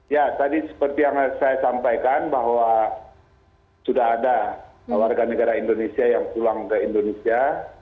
ya tadi seperti yang saya sampaikan bahwa sudah ada warga negara indonesia yang pulang ke indonesia